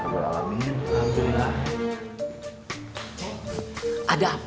ya tuhan alamin